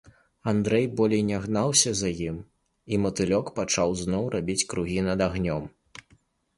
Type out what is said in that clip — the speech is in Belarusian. Андрэй болей не гнаўся за ім, і матылёк пачаў зноў рабіць кругі над агнём.